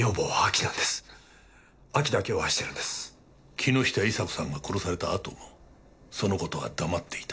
木下伊沙子さんが殺されたあともその事は黙っていた。